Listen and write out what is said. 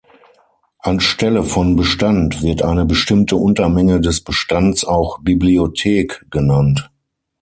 An Stelle von -Bestand wird eine bestimmte Untermenge des Bestands auch -Bibliothek genannt.